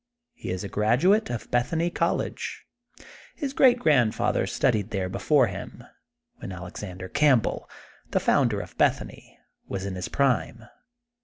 He is a graduate of Bethany College. His great grandfather studied there before him, when. Alexander Campbell^ the founder of Bethany, was in his prim^e.